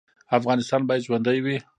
افغانستان باید ژوندی وي